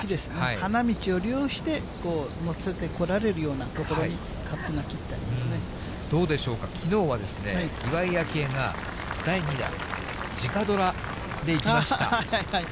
花道を利用して、乗せてこられるような所に、カップが切ってありどうでしょうか、きのうは岩井明愛が、ラインに直ドラでいきました。